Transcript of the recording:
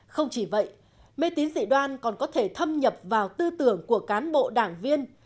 không chỉ vậy mê tín dị đoan còn có thể thâm nhập vào tư tưởng của cán bộ đảng viên